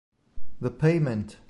The Payment